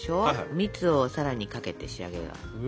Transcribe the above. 蜜をさらにかけて仕上げよう。